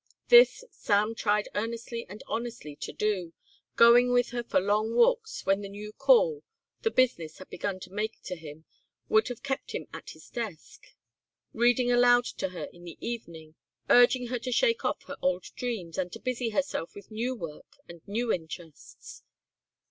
This Sam tried earnestly and honestly to do, going with her for long walks when the new call, the business had begun to make to him, would have kept him at his desk, reading aloud to her in the evening, urging her to shake off her old dreams and to busy herself with new work and new interests.